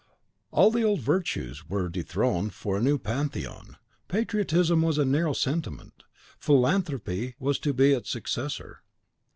All the old virtues were dethroned for a new Pantheon: patriotism was a narrow sentiment; philanthropy was to be its successor.